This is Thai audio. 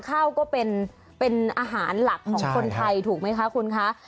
ข้าวก็เป็นอาหารหลักของคนไทยถูกไหมคะคุณคะ